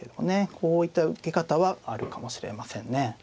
こういった受け方はあるかもしれませんね。